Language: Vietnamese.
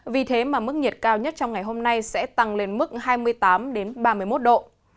vì thế mà mức nhiệt cao nhất trong ngày hôm nay sẽ tăng lên mức hai mươi tám ba mươi một độ